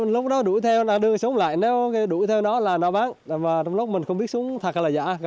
lúc đó đuổi theo đưa súng lại nếu đuổi theo nó là nó bắn trong lúc mình không biết súng thật hay là dạ